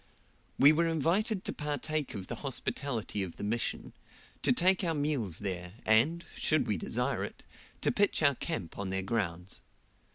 We were invited to partake of the hospitality of the Mission, to take our meals there, and, should we desire it, to pitch our camp on their grounds.